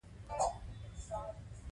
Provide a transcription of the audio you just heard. په ژمي کې ماشومان واوره کې لوبې کوي.